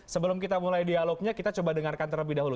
sebelum kita mulai dialognya kita coba dengarkan terlebih dahulu